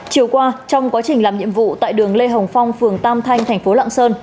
chiều qua trong quá trình làm nhiệm vụ tại đường lê hồng phong phường tam thanh thành phố lạng sơn